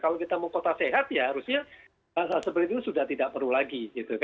kalau kita mau kota sehat ya harusnya seperti itu sudah tidak perlu lagi